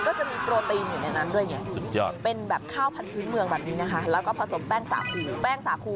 ก็จะมีโปรตีนอยู่ในนั้นด้วยไงเป็นแบบข้าวผัดพื้นเมืองแบบนี้นะคะแล้วก็ผสมแป้งสาคู